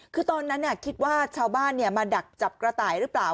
คือตอนนั้นนะคะคิดว่าชาวบ้านเนี่ยมาดักจับกระไตรึ่าเปล่า